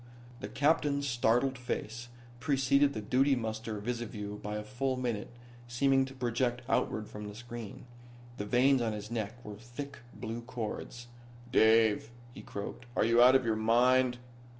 The captain's startled face preceded the duty muster visiview by a full minute, seeming to project outward from the screen. The veins on his neck were thick blue cords. "Dave," he croaked. "Are you out of your mind?